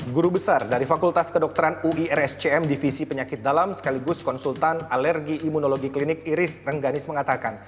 guru besar dari fakultas kedokteran uirscm divisi penyakit dalam sekaligus konsultan alergi imunologi klinik iris rengganis mengatakan